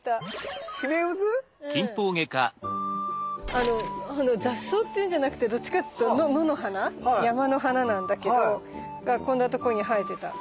あの雑草っていうんじゃなくてどっちかっていうと野の花山の花なんだけどこんな所に生えてた。